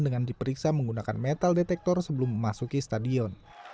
dengan diperiksa menggunakan metal detektor sebelum memasuki stadion